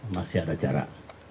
masih ada jarak